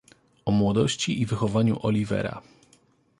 "O młodości i wychowaniu Oliwera."